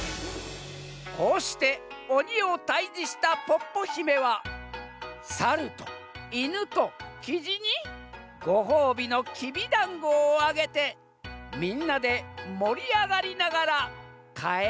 「こうしておにをたいじしたポッポひめはサルとイヌとキジにごほうびのきびだんごをあげてみんなでもりあがりながらかえりましたとさ。